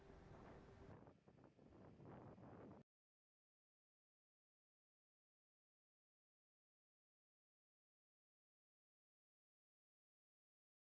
dan kita lihat di video ini sekitar hanya tersisa seperempat saja jembatan ini